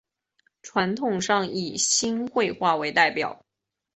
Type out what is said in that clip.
传统上以新会话为代表。